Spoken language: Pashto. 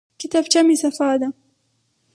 کتابچه مې صفا ده.